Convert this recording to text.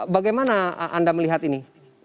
bagaimana anda melihat ini